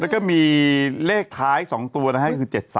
แล้วก็มีเลขท้าย๒ตัวนะฮะคือ๗๓